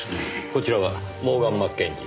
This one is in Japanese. こちらはモーガン・マッケンジー。